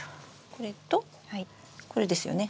これとこれですよね？